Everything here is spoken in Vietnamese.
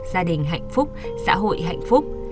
gia đình hạnh phúc xã hội hạnh phúc